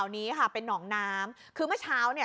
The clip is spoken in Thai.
นี้ค่ะเป็นหนองน้ำคือเมื่อเช้าเนี่ย